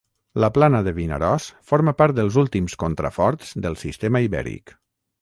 La Plana de Vinaròs forma part dels últims contraforts del Sistema Ibèric.